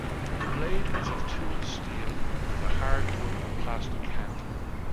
The blade is of tool steel with a hardwood or plastic handle.